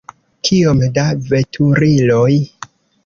Kiom da veturiloj!